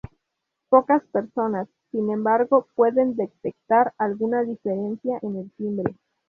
Pocas personas, sin embargo, pueden detectar alguna diferencia en el timbre.